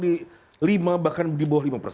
bagaimana pertumbuhan ekonomi ini bisa didorong